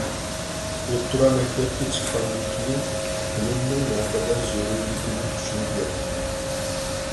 ئوتتۇرا مەكتەپكە چىققاندىن كېيىن، بىلىمنىڭ نەقەدەر زۆرۈرلۈكىنى چۈشىنىپ يەتتىم.